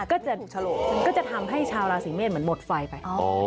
อาจจะถูกโฉลกก็จะทำให้ชาวราศีเมษเหมือนหมดไฟไป